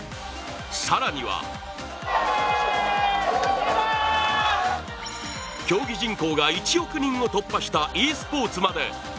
更には競技人口が１億人を突破したｅスポーツまで。